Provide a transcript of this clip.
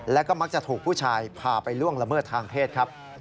แล้วก็มักจะถูกผู้ชายพาไปล่วงละเมิดทางเพศครับ